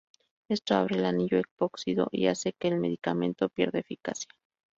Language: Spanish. Esto abre el anillo epóxido y hace que el medicamento pierda eficacia.